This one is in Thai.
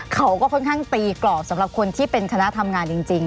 เขาก็ค่อนข้างตีกรอบสำหรับคนที่เป็นคณะทำงานจริง